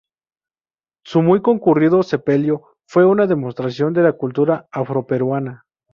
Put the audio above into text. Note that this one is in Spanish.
Su muy concurrido sepelio fue una demostración de la cultura afroperuana.